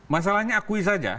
masalahnya akui saja